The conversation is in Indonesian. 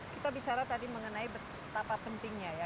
kita bicara tadi mengenai betapa pentingnya ya